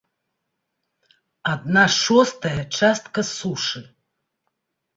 Адна шостая частка сушы!